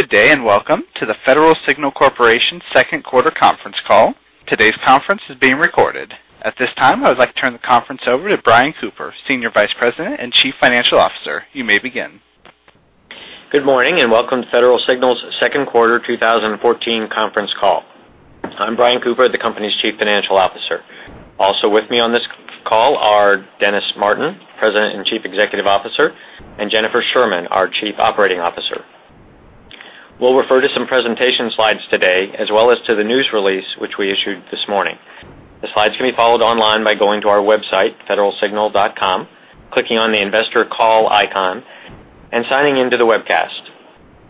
Good day, and welcome to the Federal Signal Corporation second quarter conference call. Today's conference is being recorded. At this time, I would like to turn the conference over to Brian Cooper, Senior Vice President and Chief Financial Officer. You may begin. Good morning, and welcome to Federal Signal's second quarter 2014 conference call. I'm Brian Cooper, the company's Chief Financial Officer. Also with me on this call are Dennis Martin, President and Chief Executive Officer, and Jennifer Sherman, our Chief Operating Officer. We'll refer to some presentation slides today, as well as to the news release, which we issued this morning. The slides can be followed online by going to our website, federalsignal.com, clicking on the investor call icon, and signing in to the webcast.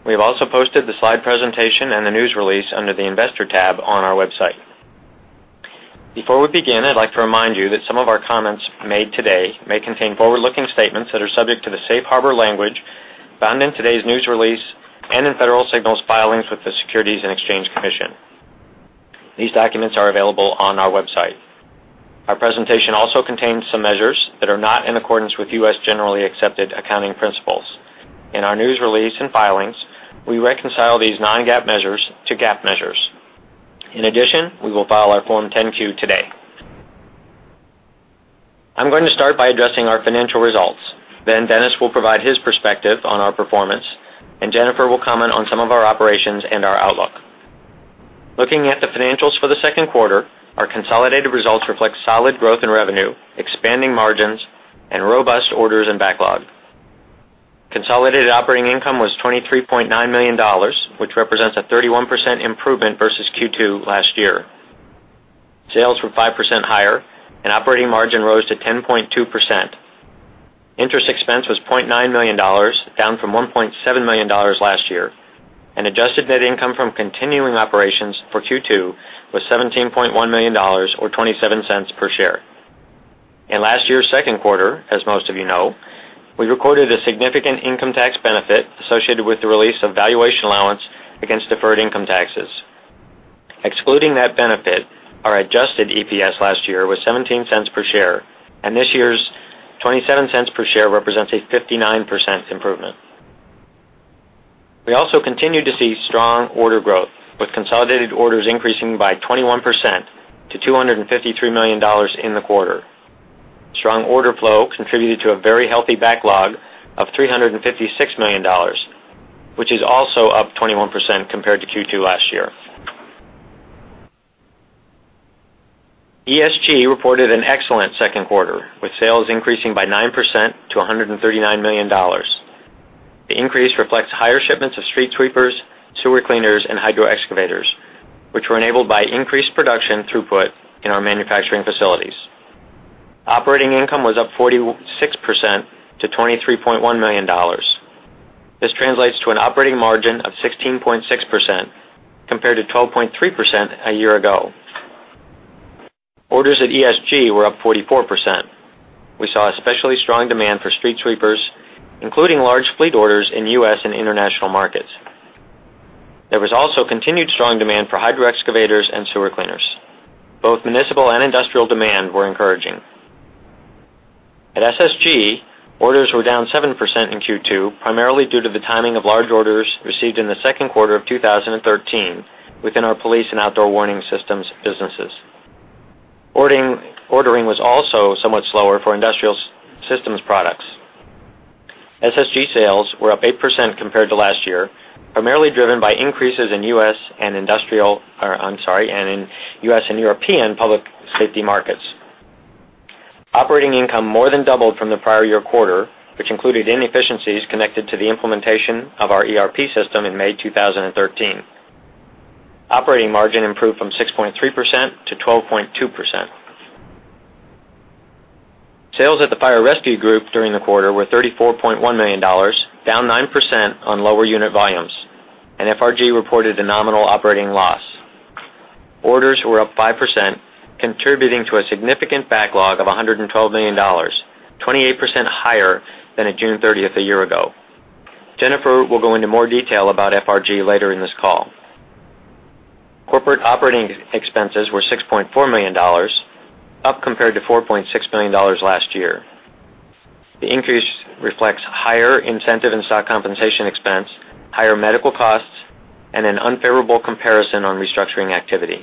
We have also posted the slide presentation and the news release under the investor tab on our website. Before we begin, I'd like to remind you that some of our comments made today may contain forward-looking statements that are subject to the safe harbor language found in today's news release and in Federal Signal's filings with the Securities and Exchange Commission. These documents are available on our website. Our presentation also contains some measures that are not in accordance with U.S. Generally Accepted Accounting Principles. In our news release and filings, we reconcile these non-GAAP measures to GAAP measures. In addition, we will file our Form 10-Q today. I'm going to start by addressing our financial results. Dennis will provide his perspective on our performance, and Jennifer will comment on some of our operations and our outlook. Looking at the financials for the second quarter, our consolidated results reflect solid growth in revenue, expanding margins, and robust orders and backlog. Consolidated operating income was $23.9 million, which represents a 31% improvement versus Q2 last year. Sales were 5% higher, and operating margin rose to 10.2%. Interest expense was $0.9 million, down from $1.7 million last year, and adjusted net income from continuing operations for Q2 was $17.1 million, or $0.27 per share. In last year's second quarter, as most of you know, we recorded a significant income tax benefit associated with the release of valuation allowance against deferred income taxes. Excluding that benefit, our adjusted EPS last year was $0.17 per share, and this year's $0.27 per share represents a 59% improvement. We also continued to see strong order growth, with consolidated orders increasing by 21% to $253 million in the quarter. Strong order flow contributed to a very healthy backlog of $356 million, which is also up 21% compared to Q2 last year. ESG reported an excellent second quarter, with sales increasing by 9% to $139 million. The increase reflects higher shipments of street sweepers, sewer cleaners, and hydro excavators, which were enabled by increased production throughput in our manufacturing facilities. Operating income was up 46% to $23.1 million. This translates to an operating margin of 16.6% compared to 12.3% a year ago. Orders at Environmental Solutions Group were up 44%. We saw especially strong demand for street sweepers, including large fleet orders in U.S. and international markets. There was also continued strong demand for hydro excavators and sewer cleaners. Both municipal and industrial demand were encouraging. At SSG, orders were down 7% in Q2, primarily due to the timing of large orders received in the second quarter of 2013 within our police and outdoor warning systems businesses. Ordering was also somewhat slower for industrial systems products. SSG sales were up 8% compared to last year, primarily driven by increases in U.S. and European public safety markets. Operating income more than doubled from the prior year quarter, which included inefficiencies connected to the implementation of our ERP system in May 2013. Operating margin improved from 6.3% to 12.2%. Sales at the Fire Rescue Group during the quarter were $34.1 million, down 9% on lower unit volumes, and FRG reported a nominal operating loss. Orders were up 5%, contributing to a significant backlog of $112 million, 28% higher than at June 30th a year ago. Jennifer will go into more detail about FRG later in this call. Corporate operating expenses were $6.4 million, up compared to $4.6 million last year. The increase reflects higher incentive and stock compensation expense, higher medical costs, and an unfavorable comparison on restructuring activity.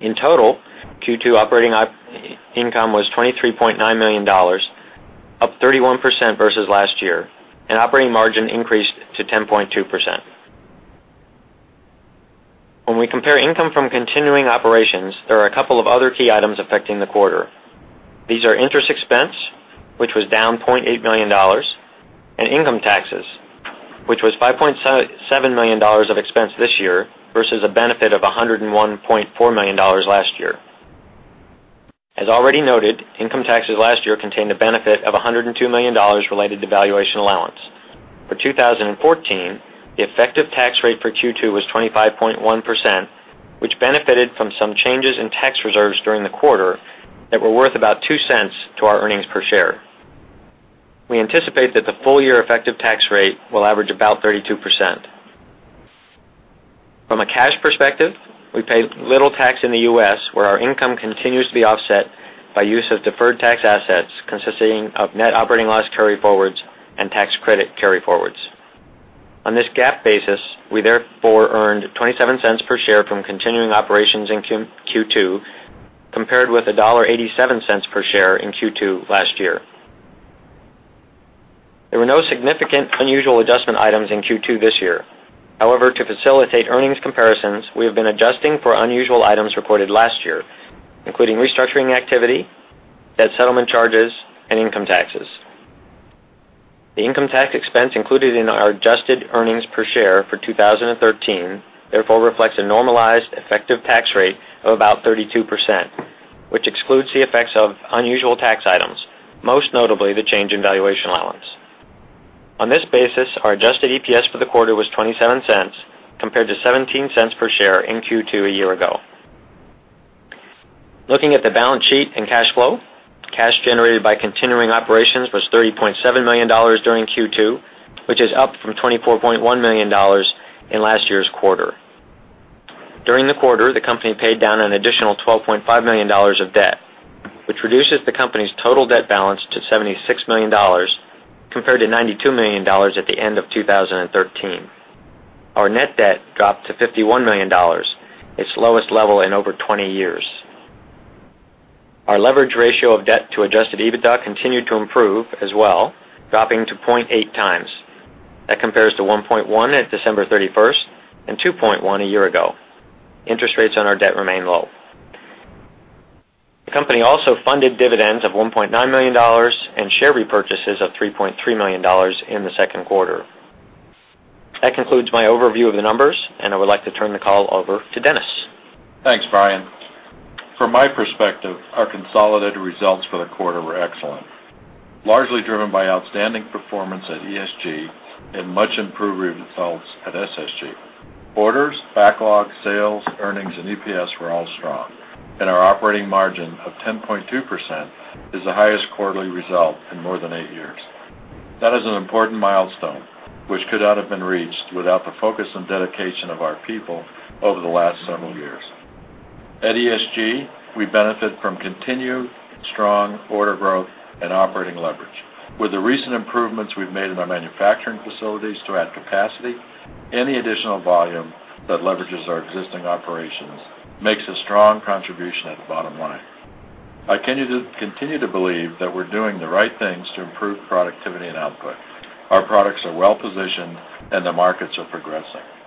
In total, Q2 operating income was $23.9 million, up 31% versus last year, and operating margin increased to 10.2%. When we compare income from continuing operations, there are a couple of other key items affecting the quarter. These are interest expense, which was down $0.8 million, and income taxes, which was $5.7 million of expense this year versus a benefit of $101.4 million last year. As already noted, income taxes last year contained a benefit of $102 million related to valuation allowance. For 2014, the effective tax rate for Q2 was 25.1%, which benefited from some changes in tax reserves during the quarter that were worth about $0.02 to our earnings per share. We anticipate that the full-year effective tax rate will average about 32%. From a cash perspective, we pay little tax in the U.S., where our income continues to be offset by use of deferred tax assets consisting of net operating loss carryforwards and tax credit carryforwards. On this GAAP basis, we therefore earned $0.27 per share from continuing operations in Q2, compared with $1.87 per share in Q2 last year. There were no significant unusual adjustment items in Q2 this year. However, to facilitate earnings comparisons, we have been adjusting for unusual items reported last year, including restructuring activity, debt settlement charges, and income taxes. The income tax expense included in our adjusted earnings per share for 2013, therefore reflects a normalized effective tax rate of about 32%, which excludes the effects of unusual tax items, most notably the change in valuation allowance. On this basis, our adjusted EPS for the quarter was $0.27, compared to $0.17 per share in Q2 a year ago. Looking at the balance sheet and cash flow, cash generated by continuing operations was $30.7 million during Q2, which is up from $24.1 million in last year's quarter. During the quarter, the company paid down an additional $12.5 million of debt, which reduces the company's total debt balance to $76 million, compared to $92 million at the end of 2013. Our net debt dropped to $51 million, its lowest level in over 20 years. Our leverage ratio of debt to adjusted EBITDA continued to improve as well, dropping to 0.8 times. That compares to 1.1 at December 31st and 2.1 a year ago. Interest rates on our debt remain low. The company also funded dividends of $1.9 million and share repurchases of $3.3 million in the second quarter. That concludes my overview of the numbers, and I would like to turn the call over to Dennis. Thanks, Brian. From my perspective, our consolidated results for the quarter were excellent, largely driven by outstanding performance at ESG and much improved results at SSG. Orders, backlog, sales, earnings, and EPS were all strong, and our operating margin of 10.2% is the highest quarterly result in more than eight years. That is an important milestone, which could not have been reached without the focus and dedication of our people over the last several years. At ESG, we benefit from continued strong order growth and operating leverage. With the recent improvements we've made in our manufacturing facilities to add capacity, any additional volume that leverages our existing operations makes a strong contribution at the bottom line. I continue to believe that we're doing the right things to improve productivity and output. Our products are well positioned, and the markets are progressing.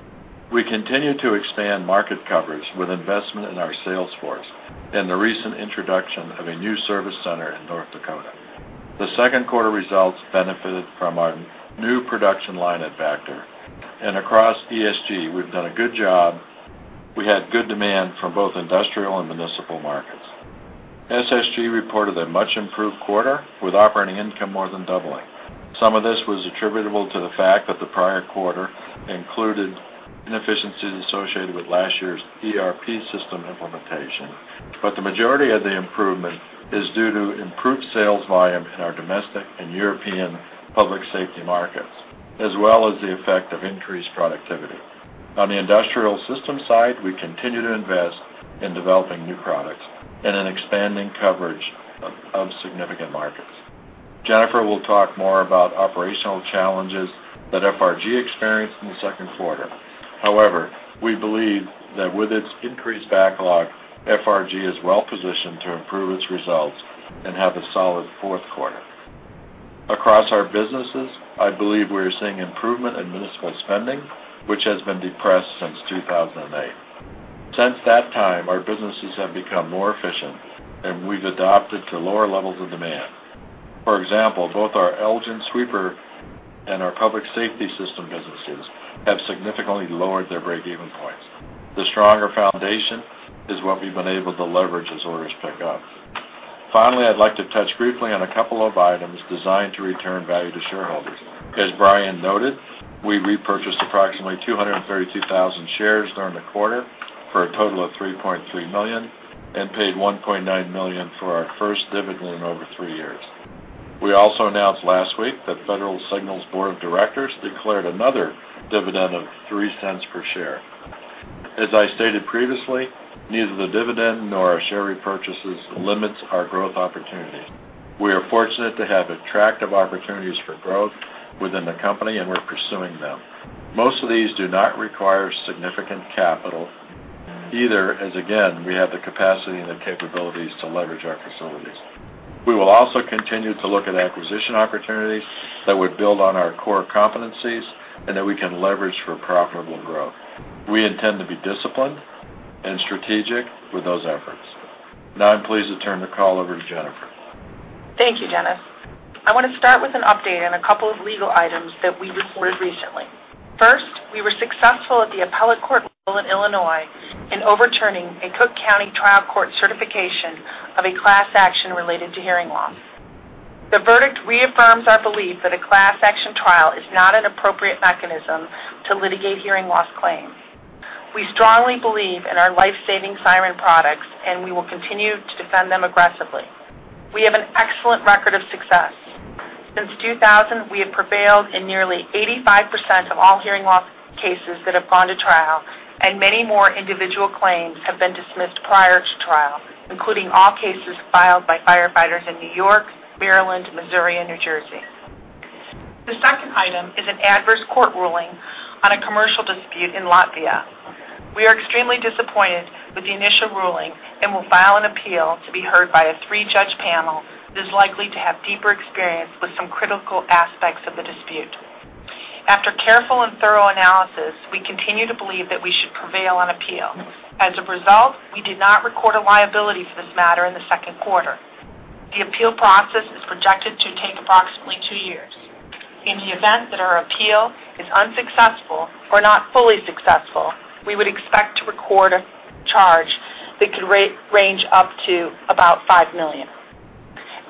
We continue to expand market coverage with investment in our sales force and the recent introduction of a new service center in North Dakota. The second quarter results benefited from our new production line at Vactor. Across ESG, we've done a good job. We had good demand from both industrial and municipal markets. SSG reported a much-improved quarter, with operating income more than doubling. Some of this was attributable to the fact that the prior quarter included inefficiencies associated with last year's ERP system implementation. The majority of the improvement is due to improved sales volume in our domestic and European public safety markets, as well as the effect of increased productivity. On the industrial system side, we continue to invest in developing new products and in expanding coverage of significant markets. Jennifer will talk more about operational challenges that FRG experienced in the second quarter. However, we believe that with its increased backlog, FRG is well positioned to improve its results and have a solid fourth quarter. Across our businesses, I believe we are seeing improvement in municipal spending, which has been depressed since 2008. Since that time, our businesses have become more efficient, and we've adapted to lower levels of demand. For example, both our Elgin Sweeper and our public safety system businesses have significantly lowered their break-even points. The stronger foundation is what we've been able to leverage as orders pick up. Finally, I'd like to touch briefly on a couple of items designed to return value to shareholders. As Brian noted, we repurchased approximately 232,000 shares during the quarter for a total of $3.3 million and paid $1.9 million for our first dividend in over three years. We also announced last week that Federal Signal's board of directors declared another dividend of $0.03 per share. As I stated previously, neither the dividend nor our share repurchases limits our growth opportunities. We are fortunate to have attractive opportunities for growth within the company. We're pursuing them. Most of these do not require significant capital either, as again, we have the capacity and the capabilities to leverage our facilities. We will also continue to look at acquisition opportunities that would build on our core competencies and that we can leverage for profitable growth. We intend to be disciplined and strategic with those efforts. I'm pleased to turn the call over to Jennifer. Thank you, Dennis. I want to start with an update on a couple of legal items that we reported recently. First, we were successful at the appellate court level in Illinois in overturning a Cook County trial court certification of a class action related to hearing loss. The verdict reaffirms our belief that a class action trial is not an appropriate mechanism to litigate hearing loss claims. We strongly believe in our life-saving siren products. We will continue to defend them aggressively. In 2000, we have prevailed in nearly 85% of all hearing cases that have gone to trial, and many more individual claims have been dismissed prior to trial, including all cases filed by firefighters in New York, Maryland, Missouri, and New Jersey. The second item is an adverse court ruling on a commercial dispute in Latvia. We are extremely disappointed with the initial ruling and will file an appeal to be heard by a three-judge panel that is likely to have deeper experience with some critical aspects of the dispute. After careful and thorough analysis, we continue to believe that we should prevail on appeal. As a result, we did not record a liability for this matter in the second quarter. The appeal process is projected to take approximately two years. In the event that our appeal is unsuccessful or not fully successful, we would expect to record a charge that could range up to about $5 million.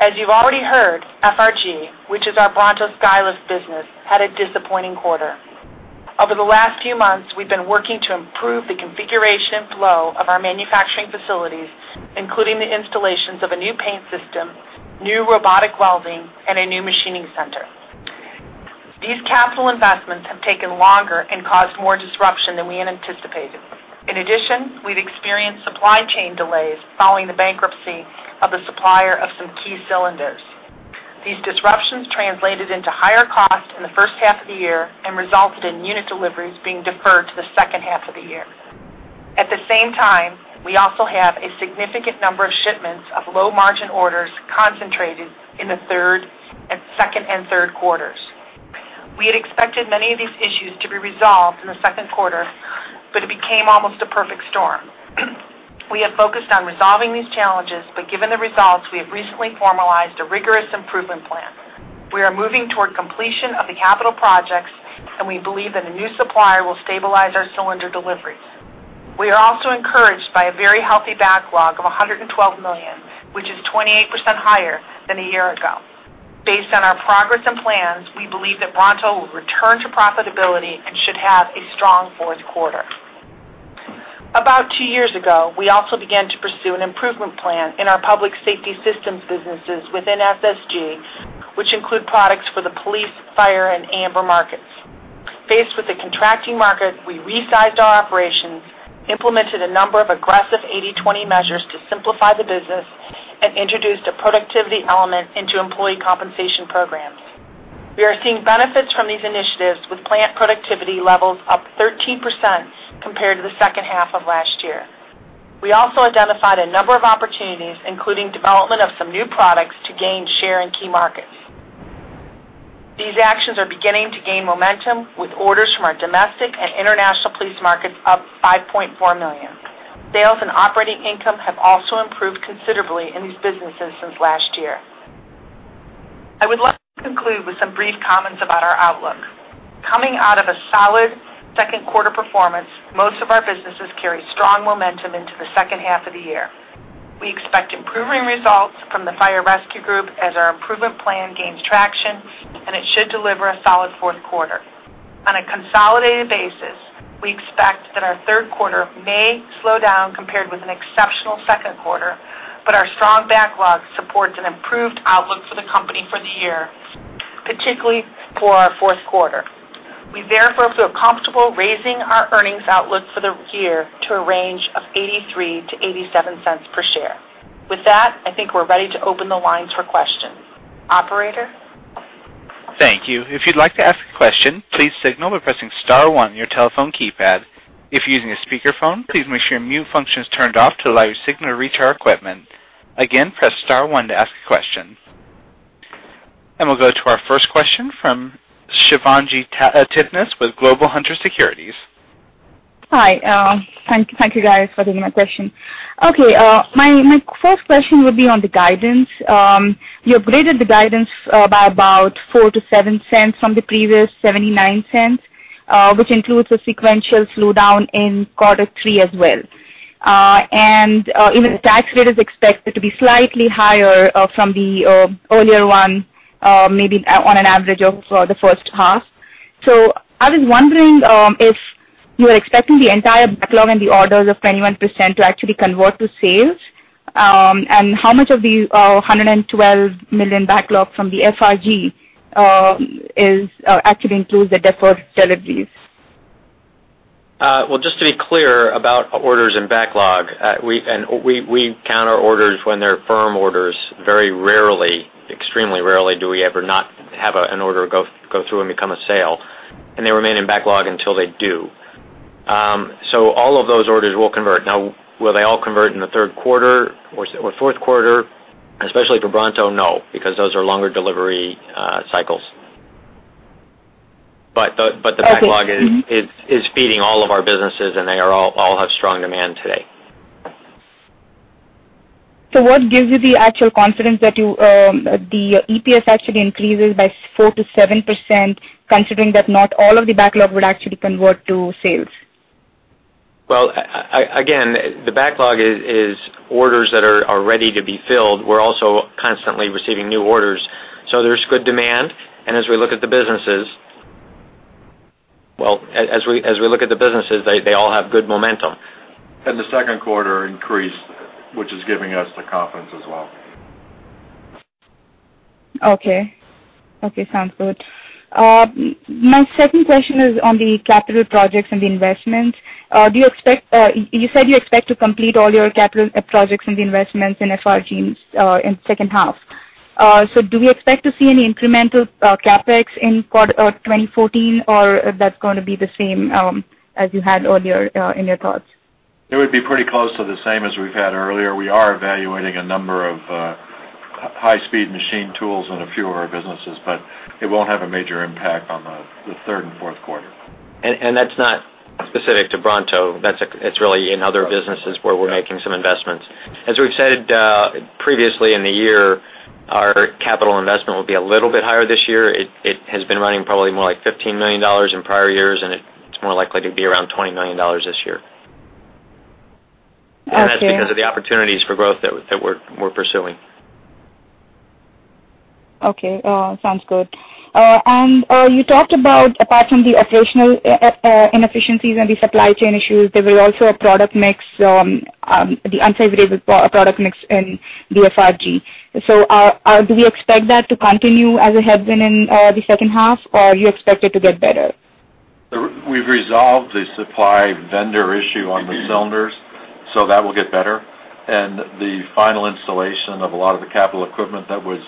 As you've already heard, FRG, which is our Bronto Skylift business, had a disappointing quarter. Over the last few months, we've been working to improve the configuration flow of our manufacturing facilities, including the installations of a new paint system, new robotic welding, and a new machining center. These capital investments have taken longer and caused more disruption than we had anticipated. In addition, we've experienced supply chain delays following the bankruptcy of the supplier of some key cylinders. These disruptions translated into higher costs in the first half of the year and resulted in unit deliveries being deferred to the second half of the year. At the same time, we also have a significant number of shipments of low-margin orders concentrated in the second and third quarters. We had expected many of these issues to be resolved in the second quarter. It became almost a perfect storm. We have focused on resolving these challenges. Given the results, we have recently formalized a rigorous improvement plan. We are moving toward completion of the capital projects, and we believe that a new supplier will stabilize our cylinder deliveries. We are also encouraged by a very healthy backlog of $112 million, which is 28% higher than a year ago. Based on our progress and plans, we believe that Bronto will return to profitability and should have a strong fourth quarter. About two years ago, we also began to pursue an improvement plan in our public safety systems businesses within SSG, which include products for the police, fire, and amber markets. Faced with the contracting market, we resized our operations, implemented a number of aggressive 80/20 measures to simplify the business, and introduced a productivity element into employee compensation programs. We are seeing benefits from these initiatives with plant productivity levels up 13% compared to the second half of last year. We also identified a number of opportunities, including development of some new products to gain share in key markets. These actions are beginning to gain momentum with orders from our domestic and international police markets up $5.4 million. Sales and operating income have also improved considerably in these businesses since last year. I would like to conclude with some brief comments about our outlook. Coming out of a solid second quarter performance, most of our businesses carry strong momentum into the second half of the year. We expect improving results from the Fire Rescue Group as our improvement plan gains traction, it should deliver a solid fourth quarter. On a consolidated basis, we expect that our third quarter may slow down compared with an exceptional second quarter, our strong backlog supports an improved outlook for the company for the year, particularly for our fourth quarter. We therefore feel comfortable raising our earnings outlook for the year to a range of $0.83 to $0.87 per share. With that, I think we're ready to open the lines for questions. Operator? Thank you. If you'd like to ask a question, please signal by pressing star one on your telephone keypad. If you're using a speakerphone, please make sure your mute function is turned off to allow your signal to reach our equipment. Again, press star one to ask a question. We'll go to our first question from Shivangi Titmus with Global Hunter Securities. Hi. Thank you, guys, for taking my question. Okay. My first question would be on the guidance. You upgraded the guidance by about $0.04-$0.07 from the previous $0.79, which includes a sequential slowdown in quarter three as well. Even the tax rate is expected to be slightly higher from the earlier one, maybe on an average of the first half. I was wondering if you are expecting the entire backlog and the orders of 21% to actually convert to sales, and how much of the $112 million backlog from the FRG actually includes the deferred deliveries? Well, just to be clear about orders and backlog, we count our orders when they're firm orders. Very rarely, extremely rarely, do we ever not have an order go through and become a sale, and they remain in backlog until they do. All of those orders will convert. Now, will they all convert in the third quarter or fourth quarter? Especially for Bronto, no, because those are longer delivery cycles. The backlog- Okay. -is feeding all of our businesses, and they all have strong demand today. What gives you the actual confidence that the EPS actually increases by 4%-7%, considering that not all of the backlog would actually convert to sales? Well, again, the backlog is orders that are ready to be filled. We're also constantly receiving new orders. There's good demand, and as we look at the businesses, they all have good momentum. The second quarter increase which is giving us the confidence as well. Okay. Sounds good. My second question is on the capital projects and the investments. You said you expect to complete all your capital projects and the investments in FRG in second half. Do we expect to see any incremental CapEx in 2014, or that's going to be the same as you had earlier in your thoughts? It would be pretty close to the same as we've had earlier. We are evaluating a number of high-speed machine tools in a few of our businesses, but it won't have a major impact on the third and fourth quarter. That's not specific to Bronto. It's really in other businesses where we're making some investments. As we've said previously in the year, our capital investment will be a little bit higher this year. It has been running probably more like $15 million in prior years, it's more likely to be around $20 million this year. Okay. That's because of the opportunities for growth that we're pursuing. Okay. Sounds good. You talked about apart from the operational inefficiencies and the supply chain issues, there were also the unfavorable product mix in the FRG. Do we expect that to continue as it has been in the second half, or you expect it to get better? We've resolved the supply vendor issue on the cylinders, so that will get better. The final installation of a lot of the capital equipment that was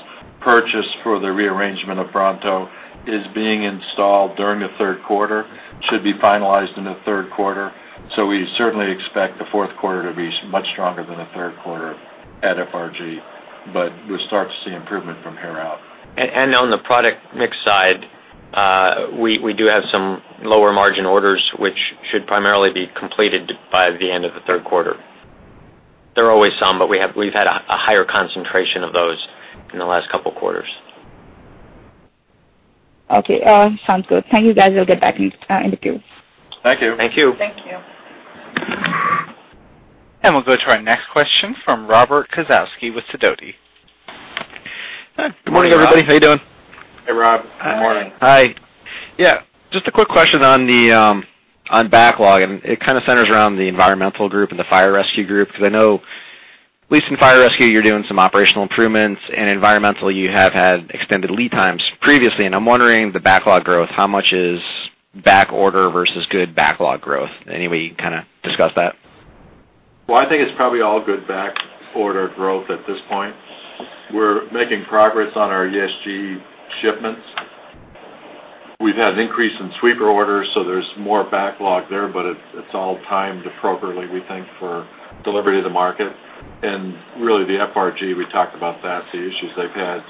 purchased for the rearrangement of Bronto is being installed during the third quarter, should be finalized in the third quarter. We certainly expect the fourth quarter to be much stronger than the third quarter at FRG. You'll start to see improvement from here out. On the product mix side, we do have some lower margin orders, which should primarily be completed by the end of the third quarter. There are always some, but we've had a higher concentration of those in the last couple of quarters. Okay, sounds good. Thank you, guys. I'll get back in the queue. Thank you. Thank you. Thank you. We'll go to our next question from Robert Kosowsky with Sidoti. Hi. Good morning, everybody. How you doing? Hey, Rob. Good morning. Hi. Just a quick question on backlog. It kind of centers around the Environmental Solutions Group and the Fire Rescue Group, because I know at least in Fire Rescue, you're doing some operational improvements, and Environmental Solutions Group, you have had extended lead times previously. I'm wondering the backlog growth, how much is back order versus good backlog growth? Any way you can kind of discuss that? I think it's probably all good back order growth at this point. We're making progress on our ESG shipments. We've had an increase in sweeper orders. There's more backlog there, but it's all timed appropriately, we think, for delivery to the market. Really, the FRG, we talked about that, the issues they've had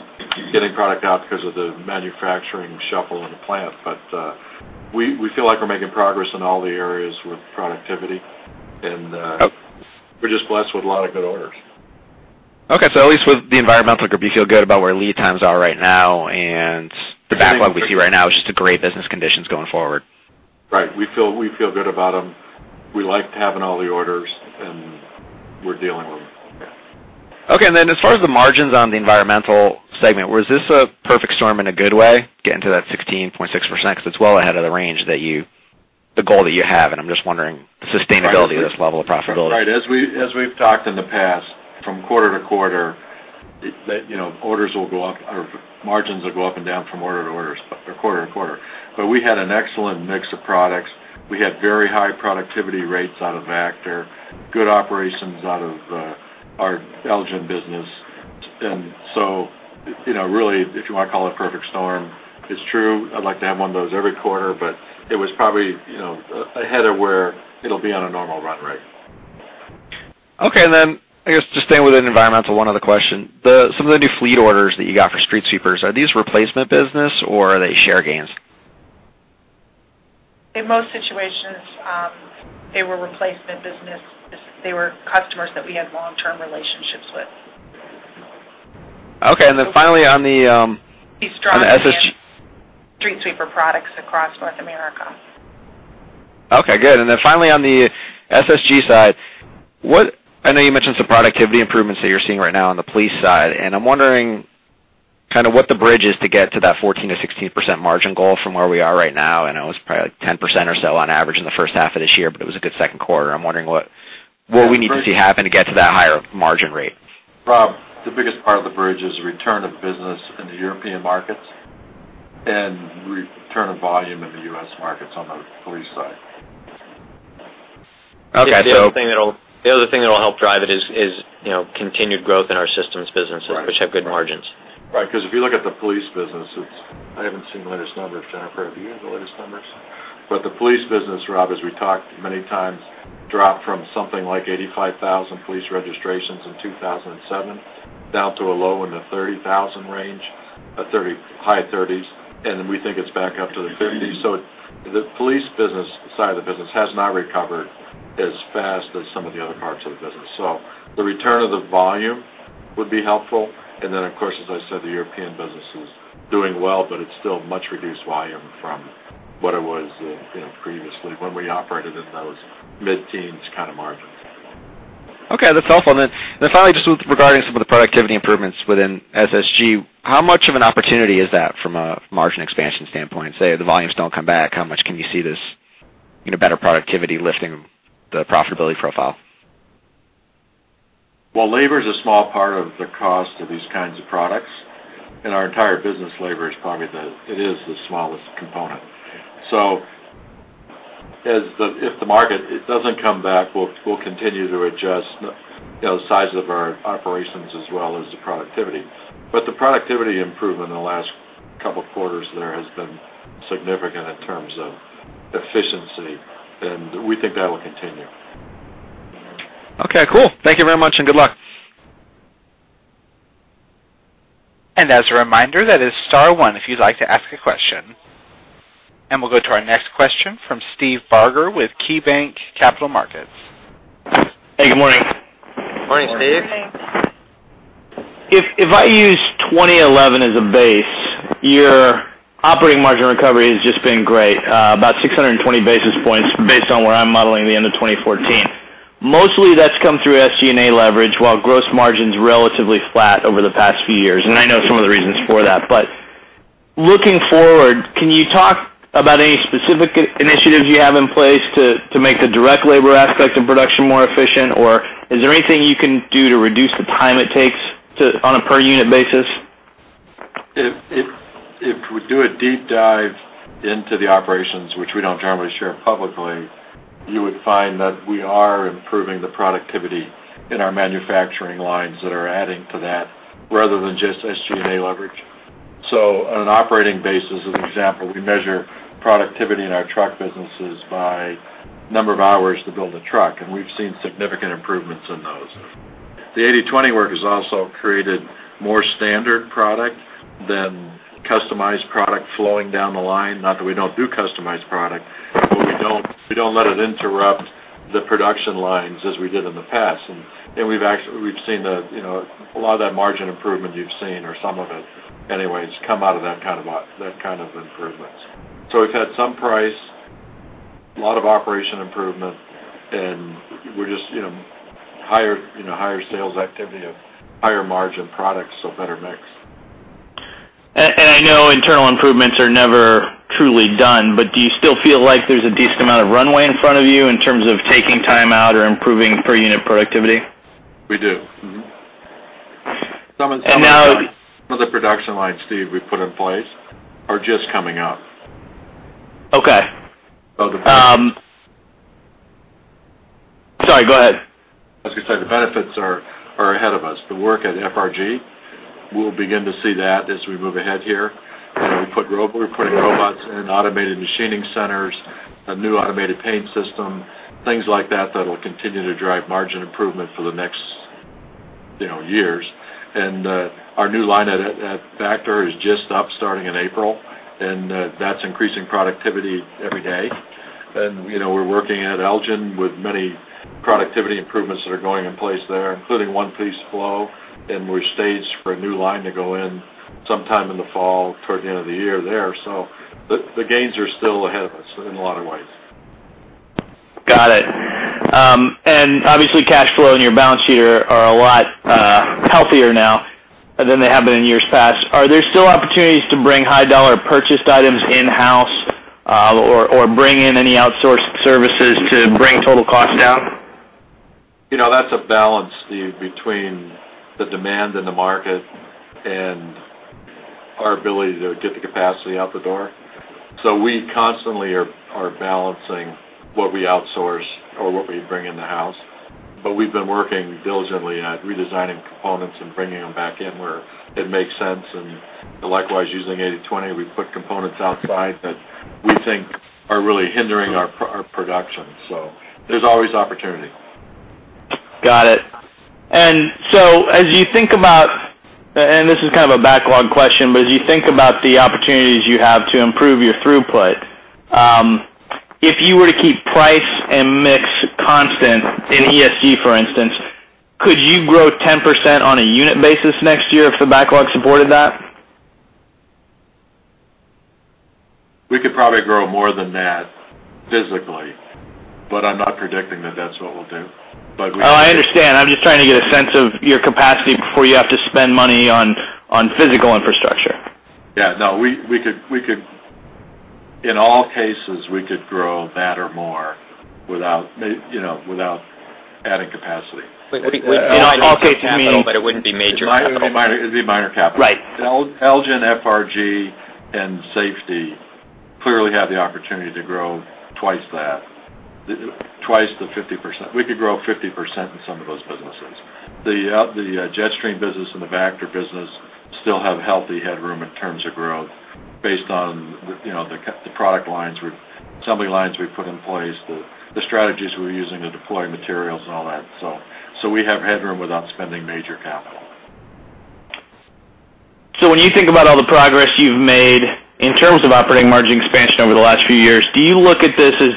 getting product out because of the manufacturing shuffle in the plant. We feel like we're making progress in all the areas with productivity, and we're just blessed with a lot of good orders. Okay. At least with the Environmental Solutions Group, you feel good about where lead times are right now. The backlog we see right now is just a great business conditions going forward. Right. We feel good about them. We like having all the orders, and we're dealing with them. Okay. As far as the margins on the Environmental segment, was this a perfect storm in a good way, getting to that 16.6%? It's well ahead of the goal that you have, I'm just wondering the sustainability of this level of profitability. Right. As we've talked in the past, from quarter to quarter, margins will go up and down from order to order, or quarter to quarter. We had an excellent mix of products. We had very high productivity rates out of Vactor, good operations out of our Elgin business. Really, if you want to call it perfect storm, it's true. I'd like to have one of those every quarter, but it was probably ahead of where it'll be on a normal run rate. Okay. I guess just staying within Environmental, one other question. Some of the new fleet orders that you got for street sweepers, are these replacement business or are they share gains? In most situations, they were replacement business. They were customers that we had long-term relationships with. Okay, then finally on the- These strong street sweeper products across North America. Okay, good. Then finally on the SSG side, I know you mentioned some productivity improvements that you're seeing right now on the police side, I'm wondering kind of what the bridge is to get to that 14%-16% margin goal from where we are right now. I know it was probably like 10% or so on average in the first half of this year, but it was a good second quarter. I'm wondering what we need to see happen to get to that higher margin rate. Rob, the biggest part of the bridge is return of business in the European markets and return of volume in the U.S. markets on the police side. Okay. The other thing that'll help drive it is continued growth in our systems business, which have good margins. Right. If you look at the police business, I haven't seen the latest numbers. Jennifer, have you seen the latest numbers? The police business, Rob, as we talked many times, dropped from something like 85,000 police registrations in 2007 down to a low in the 30,000 range, high 30s, and we think it's back up to the 50s. The police side of the business has not recovered as fast as some of the other parts of the business. The return of the volume would be helpful, and then, of course, as I said, the European business is doing well, but it's still much reduced volume from what it was previously when we operated in those mid-teens kind of margins. Okay, that's helpful. Finally, just regarding some of the productivity improvements within SSG, how much of an opportunity is that from a margin expansion standpoint? Say the volumes don't come back, how much can you see this Better productivity lifting the profitability profile? Well, labor is a small part of the cost of these kinds of products. In our entire business, labor is probably the smallest component. If the market doesn't come back, we'll continue to adjust the size of our operations as well as the productivity. The productivity improvement in the last couple of quarters there has been significant in terms of efficiency, and we think that will continue. Okay, cool. Thank you very much, and good luck. As a reminder, that is star one if you'd like to ask a question. We'll go to our next question from Steve Barger with KeyBanc Capital Markets. Hey, good morning. Good morning, Steve. If I use 2011 as a base, your operating margin recovery has just been great. About 620 basis points based on where I'm modeling the end of 2014. Mostly that's come through SG&A leverage, while gross margin's relatively flat over the past few years. I know some of the reasons for that. Looking forward, can you talk about any specific initiatives you have in place to make the direct labor aspect of production more efficient? Is there anything you can do to reduce the time it takes on a per unit basis? If we do a deep dive into the operations, which we don't generally share publicly, you would find that we are improving the productivity in our manufacturing lines that are adding to that rather than just SG&A leverage. On an operating basis, as an example, we measure productivity in our truck businesses by number of hours to build a truck, and we've seen significant improvements in those. The 80/20 work has also created more standard product than customized product flowing down the line. Not that we don't do customized product, but we don't let it interrupt the production lines as we did in the past. We've seen a lot of that margin improvement you've seen, or some of it anyway, has come out of that kind of improvements. We've had some price, a lot of operation improvement, and higher sales activity of higher margin products, so better mix. I know internal improvements are never truly done, do you still feel like there's a decent amount of runway in front of you in terms of taking time out or improving per unit productivity? We do. Mm-hmm. And now- Some of the production lines, Steve, we've put in place are just coming up. Okay. So the- Sorry, go ahead. I was going to say the benefits are ahead of us. The work at FRG, we'll begin to see that as we move ahead here. We're putting robots in, automated machining centers, a new automated paint system, things like that that'll continue to drive margin improvement for the next years. Our new line at Vactor is just up starting in April, and that's increasing productivity every day. We're working at Elgin with many productivity improvements that are going in place there, including one-piece flow. We're staged for a new line to go in sometime in the fall toward the end of the year there. The gains are still ahead of us in a lot of ways. Got it. Obviously, cash flow and your balance sheet are a lot healthier now than they have been in years past. Are there still opportunities to bring high-dollar purchased items in-house or bring in any outsourced services to bring total cost down? That's a balance, Steve, between the demand in the market and our ability to get the capacity out the door. We constantly are balancing what we outsource or what we bring in the house. We've been working diligently at redesigning components and bringing them back in where it makes sense and likewise, using 80/20, we put components outside that we think are really hindering our production. There's always opportunity. Got it. As you think about, and this is kind of a backlog question, but as you think about the opportunities you have to improve your throughput, if you were to keep price and mix constant in ESG, for instance, could you grow 10% on a unit basis next year if the backlog supported that? We could probably grow more than that physically, I'm not predicting that that's what we'll do. I understand. I'm just trying to get a sense of your capacity before you have to spend money on physical infrastructure. In all cases, we could grow that or more without adding capacity. It wouldn't be major capital. It'd be minor capital. Right. Elgin, FRG, and Safety clearly have the opportunity to grow twice that, twice the 50%. We could grow 50% in some of those businesses. The Jetstream business and the Vactor business still have healthy headroom in terms of growth based on the assembly lines we've put in place, the strategies we're using to deploy materials and all that. We have headroom without spending major capital. When you think about all the progress you've made in terms of operating margin expansion over the last few years, do you look at this as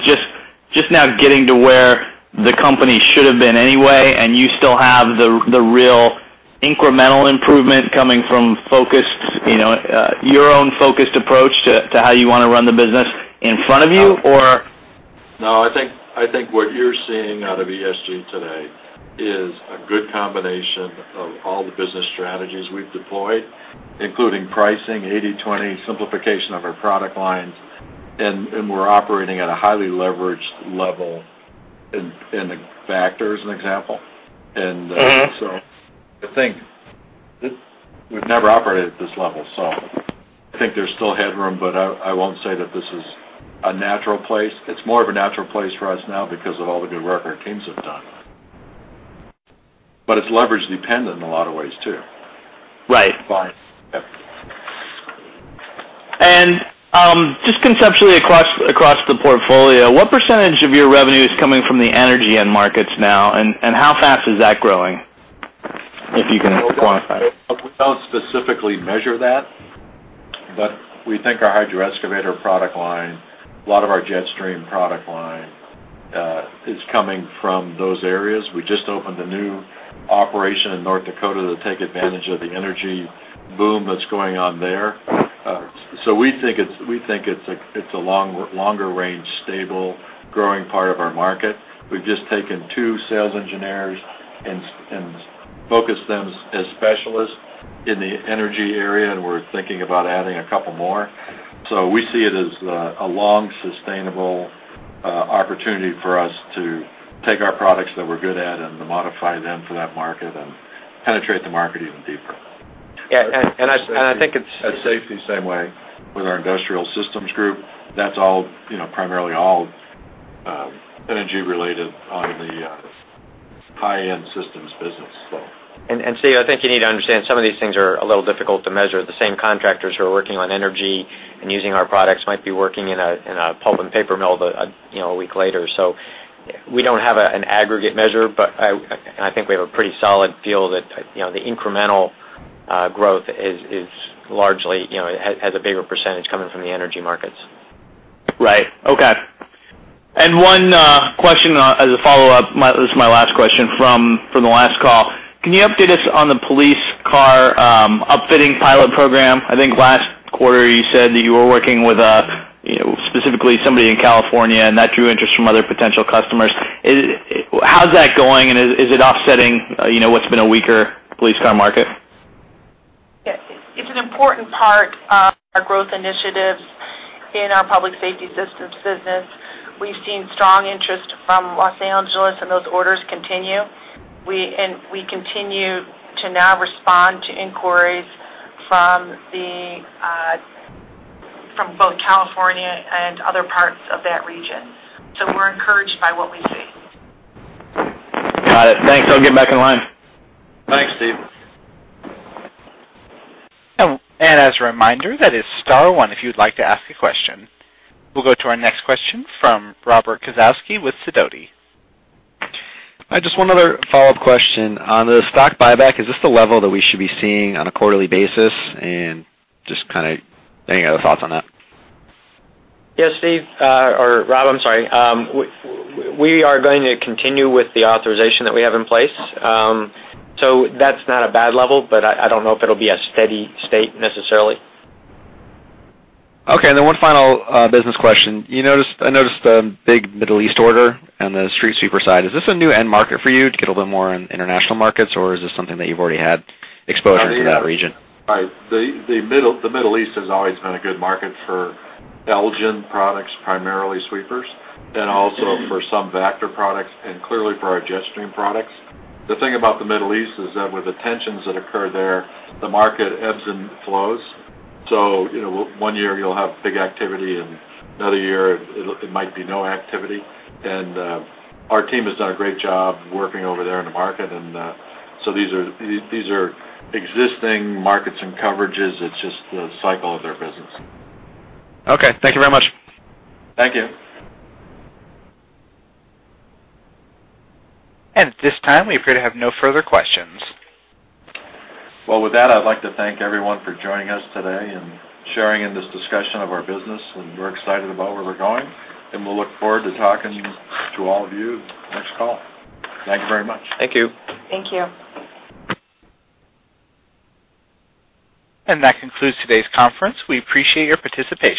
just now getting to where the company should have been anyway, and you still have the real incremental improvement coming from your own focused approach to how you want to run the business in front of you or? No, I think what you're seeing, all the business strategies we've deployed, including pricing, 80/20 simplification of our product lines, and we're operating at a highly leveraged level in the Vactor as an example. I think we've never operated at this level, I think there's still headroom. I won't say that this is a natural place. It's more of a natural place for us now because of all the good work our teams have done. It's leverage dependent in a lot of ways, too. Right. Yep. Just conceptually across the portfolio, what percentage of your revenue is coming from the energy end markets now, and how fast is that growing? If you can quantify. We don't specifically measure that. We think our hydro excavator product line, a lot of our Jetstream product line is coming from those areas. We just opened a new operation in North Dakota to take advantage of the energy boom that's going on there. We think it's a longer range, stable, growing part of our market. We've just taken two sales engineers and focused them as specialists in the energy area, and we're thinking about adding a couple more. We see it as a long, sustainable opportunity for us to take our products that we're good at and modify them for that market and penetrate the market even deeper. I think. At Safety, same way. With our industrial systems group. That's primarily all energy related on the high-end systems business. Steve, I think you need to understand, some of these things are a little difficult to measure. The same contractors who are working on energy and using our products might be working in a pulp and paper mill a week later. We don't have an aggregate measure, but I think we have a pretty solid feel that the incremental growth has a bigger percentage coming from the energy markets. Right. Okay. One question as a follow-up. This is my last question from the last call. Can you update us on the police car upfitting pilot program? I think last quarter you said that you were working with specifically somebody in California, and that drew interest from other potential customers. How's that going, and is it offsetting what's been a weaker police car market? It's an important part of our growth initiatives in our public safety systems business. We've seen strong interest from Los Angeles, and those orders continue. We continue to now respond to inquiries from both California and other parts of that region. We're encouraged by what we see. Got it. Thanks. I'll get back in line. Thanks, Steve. As a reminder, that is star one if you'd like to ask a question. We'll go to our next question from Robert Kosowsky with Sidoti. Just one other follow-up question. On the stock buyback, is this the level that we should be seeing on a quarterly basis? Just if you have thoughts on that. Yes, Steve, or Rob, I'm sorry. We are going to continue with the authorization that we have in place. That's not a bad level, but I don't know if it'll be a steady state necessarily. Okay, one final business question. I noticed a big Middle East order on the street sweeper side. Is this a new end market for you to get a little bit more in international markets, or is this something that you've already had exposure to that region? The Middle East has always been a good market for Elgin products, primarily sweepers, and also for some Vactor products and clearly for our Jetstream products. The thing about the Middle East is that with the tensions that occur there, the market ebbs and flows. One year you'll have big activity, and another year it might be no activity. Our team has done a great job working over there in the market. These are existing markets and coverages. It's just the cycle of their business. Okay. Thank you very much. Thank you. At this time, we appear to have no further questions. Well, with that, I'd like to thank everyone for joining us today and sharing in this discussion of our business, and we're excited about where we're going, and we'll look forward to talking to all of you next call. Thank you very much. Thank you. Thank you. That concludes today's conference. We appreciate your participation